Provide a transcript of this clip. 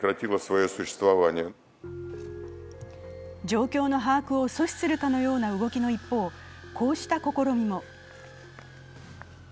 状況の把握を阻止するかのような動きの一方、こうした試みも。